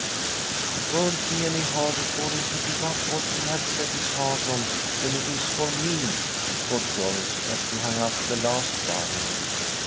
"It won't be any harder for him to give up what he had set his heart on than it is for me," thought Joyce, as she hung up the last garment.